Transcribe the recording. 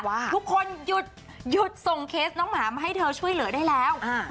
ทุกคนหยุดหยุดส่งเคสน้องหมามาให้เธอช่วยเหลือได้แล้ว